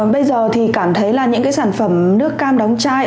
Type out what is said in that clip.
bây giờ thì cảm thấy là những cái sản phẩm nước cam đóng chai